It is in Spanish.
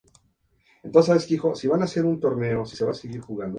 Es considerado uno de los más grandes atletas olímpicos de todos los tiempos.